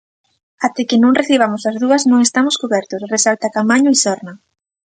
Até que non recibamos as dúas non estamos cubertos, resalta Caamaño Isorna.